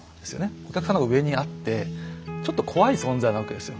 お客さんの方が上にあってちょっと怖い存在なわけですよ